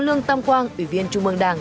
lương tâm quang ủy viên trung mương đảng